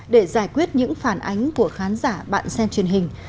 để giải quyết những phản ánh của khán giả bạn xem truyền hình